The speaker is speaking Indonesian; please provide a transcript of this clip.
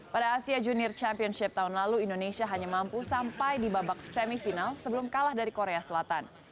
pada asia junior championship tahun lalu indonesia hanya mampu sampai di babak semifinal sebelum kalah dari korea selatan